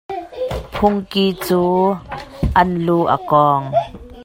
Phungki cu an lu a kawng.